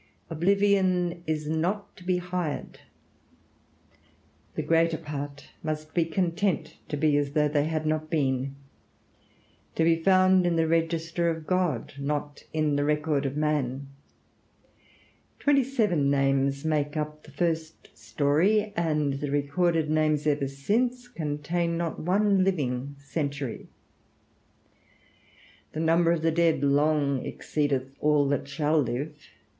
Oblivion is not to be hired. The greater part must be content to be as though they had not been; to be found in the register of God, not in the record of man. Twenty seven names make up the first story, and the recorded names ever since contain not one living century. The number of the dead long exceedeth all that shall live.